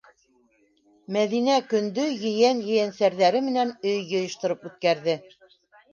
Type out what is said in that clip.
Мәҙинә көндө ейән-ейәнсәрҙәре менән өй йыйыштырып үткәрҙе.